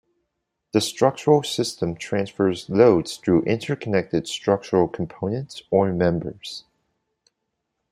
The structural system transfers loads through interconnected structural components or members.